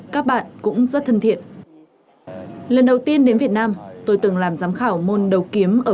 các bạn cũng rất thân thiện lần đầu tiên đến việt nam tôi từng làm giám khảo môn đầu kiếm ở